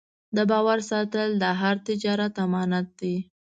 د باور ساتل د هر تجارت امانت دی.